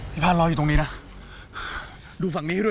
พี่พานรออยู่ตรงนี้นะดูฝั่งนี้ให้ด้วย